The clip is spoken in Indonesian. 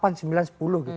delapan sembilan sepuluh gitu